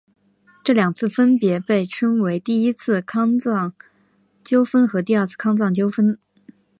这两次分别被称为第一次康藏纠纷和第二次康藏纠纷。